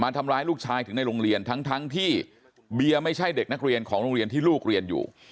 ทำร้ายลูกชายถึงในโรงเรียนทั้งที่เบียร์ไม่ใช่เด็กนักเรียนของโรงเรียนที่ลูกเรียนอยู่